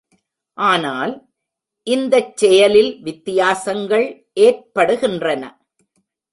ஆனால், இந்தச் செயலில் வித்தியாசங்கள் ஏற்படுகின்றன.